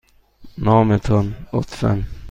نام تان، لطفاً.